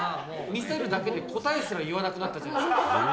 見せるだけで答えすら言わなくなったじゃないですか。